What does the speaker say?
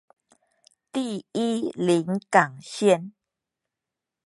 第一臨港線